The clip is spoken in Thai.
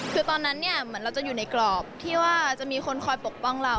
คือตอนนั้นเนี่ยเหมือนเราจะอยู่ในกรอบที่ว่าจะมีคนคอยปกป้องเรา